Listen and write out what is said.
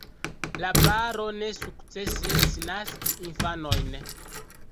La paro ne sukcesis naski infanojn.